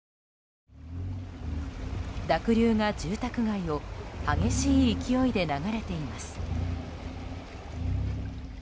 濁流が住宅街を激しい勢いで流れています。